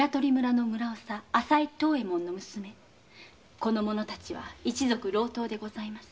この者たちは一族郎党でございます。